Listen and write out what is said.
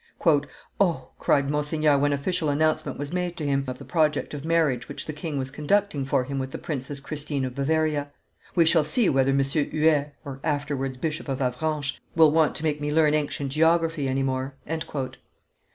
"O," cried Monseigneur, when official announcement was made to him of the project of marriage which the king was conducting for him with the Princess Christine of Bavaria, "we shall see whether M. Huet (afterwards bishop of Avranches) will want to make me learn ancient geography any more!"